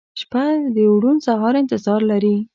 • شپه د روڼ سهار انتظار لري.